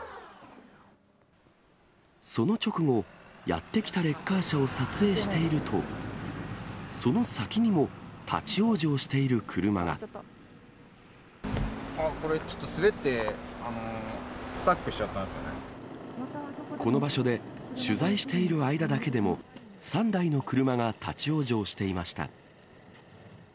その直後、やって来たレッカー車を撮影していると、その先にも立往生していあっ、これ、ちょっと滑って、この場所で、取材している間だけでも、３台の車が立往生していました。